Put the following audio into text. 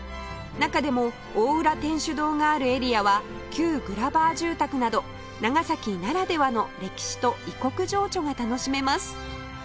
中でも大浦天主堂があるエリアは旧グラバー住宅など長崎ならではの歴史と異国情緒が楽しめます